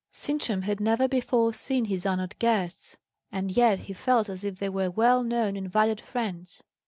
Sintram had never before seen his honoured guests, and yet he felt as if they were well known and valued friends.